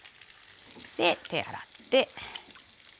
で手洗って。